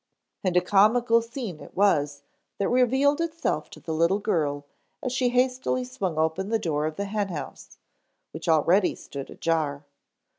And a comical scene it was that revealed itself to the little girl as she hastily swung open the door of the hen house, which already stood ajar.